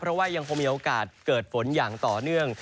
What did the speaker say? เพราะว่ายังคงมีโอกาสเกิดฝนอย่างต่อเนื่อง